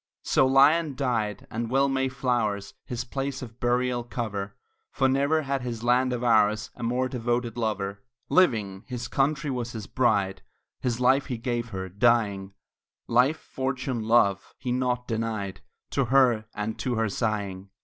So Lyon died; and well may flowers His place of burial cover, For never had this land of ours A more devoted lover. Living, his country was his bride; His life he gave her, dying; Life, fortune, love, he nought denied To her, and to her sighing.